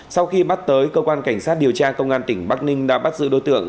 sau khi bắt tới cơ quan cảnh sát điều tra công an tỉnh bắc ninh đã bắt giữ đối tượng